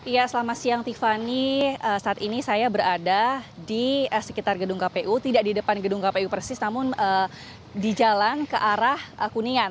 ya selamat siang tiffany saat ini saya berada di sekitar gedung kpu tidak di depan gedung kpu persis namun di jalan ke arah kuningan